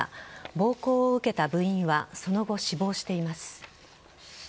暴行を受けた部員はその後、死亡しています。